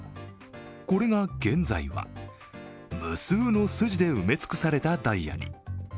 これが現在は、無数の筋で埋め尽くされたダイヤに。